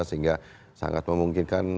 sehingga sangat memungkinkan